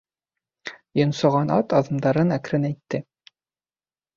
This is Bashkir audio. Йонсоған ат аҙымдарын әкренәйтте.